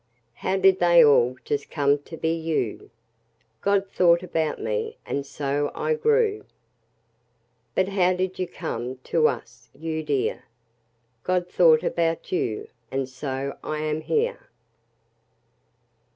How did they all just come to be you? God thought about me, and so I grew. But how did you come to us, you dear? God thought about you, and so I am here.